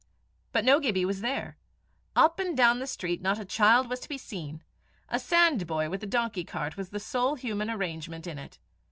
But no Gibbie was there. Up and down the street not a child was to be seen. A sandboy with a donkey cart was the sole human arrangement in it.